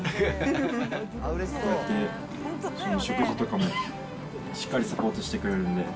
こうやって食事とかもしっかりサポートしてくれるんでね。